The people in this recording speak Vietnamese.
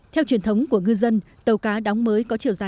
theo truyền thống của ngư dân tàu cá đóng mới có chiều dài